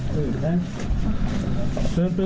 หันไปมองกระตุกผู้โทษภาพดิ